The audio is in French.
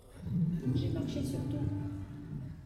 J’ai marché sur tout !